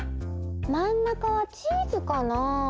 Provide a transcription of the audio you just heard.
まん中はチーズかなあ？